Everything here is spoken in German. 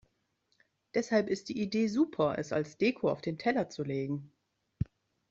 Deshalb ist die Idee super, es als Deko auf den Teller zu legen.